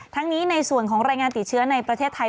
ทั้งนี้ในส่วนของรายงานติดเชื้อในประเทศไทย